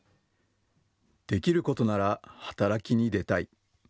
できることなら働きに出たい。